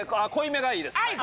はい！